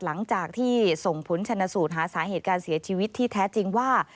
หลังจากที่ส่งผลชนสูตรหาสาเหตุการเสียชีวิตที่แท้จริงว่า